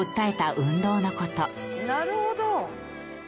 なるほど。